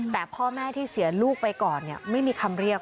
แต่พ่อแม่ที่เสียลูกไปก่อนไม่มีคำเรียก